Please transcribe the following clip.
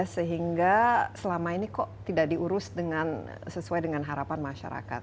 sehingga selama ini kok tidak diurus sesuai dengan harapan masyarakat